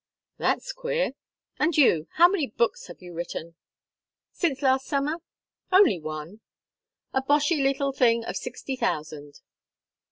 "That's queer. And you how many books have you written?" "Since last summer? Only one a boshy little thing of sixty thousand."